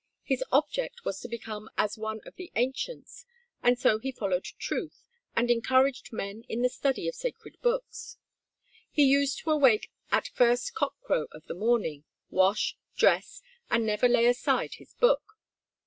His object was to become as one of the Ancients, and so he followed truth, and encouraged men in the study of the sacred books. He used to awake at first cock crow of the morning, wash, dress, and never lay aside his book.